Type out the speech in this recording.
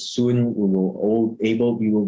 semoga keadaan menjadi lebih baik